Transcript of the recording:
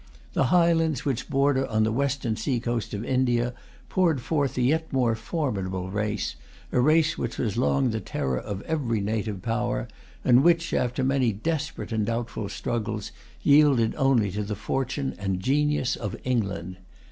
The highlands which border on the western sea coast of India poured forth a yet more formidable race, a race which was long the terror of every native power, and which, after many desperate and doubtful struggles, yielded only to the fortune and genius of England.